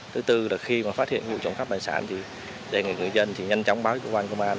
thứ tư là khi mà phát hiện vụ trụng cấp bệnh sản thì người dân thì nhanh chóng báo cho cơ quan công an